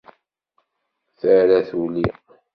Tara tuli.